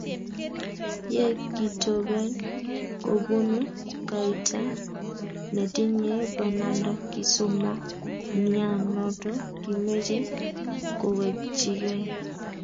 Ye kitoben kobunuu kaita netinye bananda kisomanian noto kimeche kowekchikei.